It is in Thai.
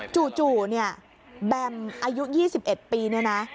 จู่เนี่ยแบมอายุ๒๑ปีเนี่ยนะ